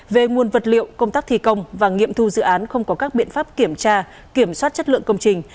về nguồn vật liệu công tác thi công và nghiệm thu dự án không có các biện pháp kiểm tra kiểm soát chất lượng công trình